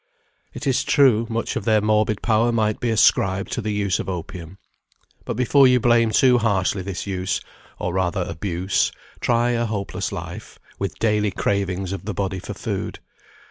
It is true, much of their morbid power might be ascribed to the use of opium. But before you blame too harshly this use, or rather abuse, try a hopeless life, with daily cravings of the body for food.